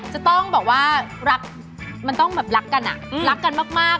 จะต้องบอกว่ารักมันต้องแบบรักกันอะ